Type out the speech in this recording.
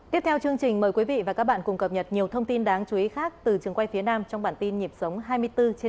tiếp theo chương trình mời quý vị và các bạn cùng cập nhật nhiều thông tin đáng chú ý khác từ trường quay phía nam trong bản tin nhịp sống hai mươi bốn trên h